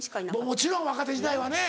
もちろん若手時代はね。